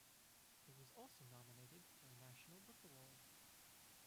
It was also nominated for a National Book Award.